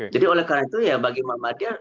jadi oleh karena itu bagi muhammadiyah